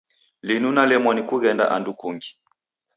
Linu nalemwa ni kughenda andu kungi.